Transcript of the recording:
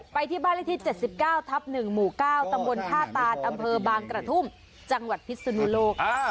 ไปที่บ้านเลขที่๗๙ทับ๑หมู่๙ตำบลท่าตานอำเภอบางกระทุ่มจังหวัดพิศนุโลก